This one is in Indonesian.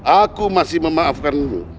aku masih memaafkanmu